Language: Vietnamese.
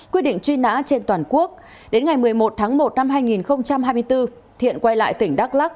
quyết định truy nã trên toàn quốc đến ngày một mươi một tháng một năm hai nghìn hai mươi bốn thiện quay lại tỉnh đắk lắc